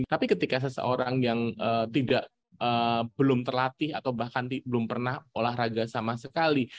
tapi ketika seseorang yang belum terlatih atau bahkan belum pernah olahraga sama sekali